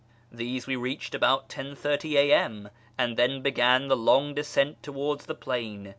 These we reached about 10.30 a.m., and then began the long descent towards the plain.